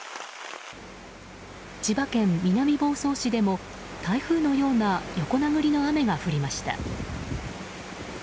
千葉県南房総市でも台風のような横殴りの雨が降りました。